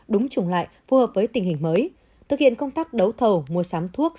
đúng chủng lại phù hợp với tình hình mới thực hiện công tác đấu thầu mua sắm thuốc